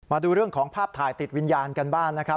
มาดูเรื่องของภาพถ่ายติดวิญญาณกันบ้างนะครับ